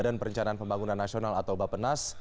badan perencanaan pembangunan nasional atau bapenas